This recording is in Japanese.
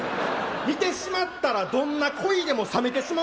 見てしまったらどんな恋でも冷めてしまう。